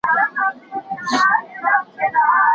استاد زلمي هیوادمل د څېړندود ارزونه په غونډه کي وړاندې کړه.